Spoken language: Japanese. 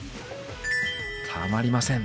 たまりません。